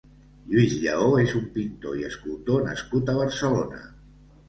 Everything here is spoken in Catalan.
Lluís Lleó és un pintor i escultor nascut a Barcelona.